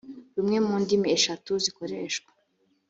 rumwe mu ndimi eshatu zikoreshwa